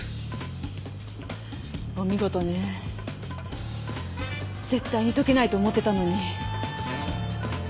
お見事ねぜっ対にとけないと思ってたのに。